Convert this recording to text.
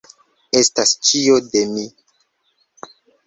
Estas ĉio de mi!